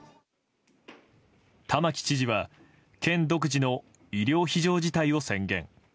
玉城知事は県独自の医療非常事態を宣言。